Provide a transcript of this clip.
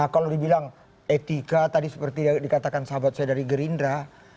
kalau dibilang etika tadi seperti dikatakan sahabat saya dari gerindra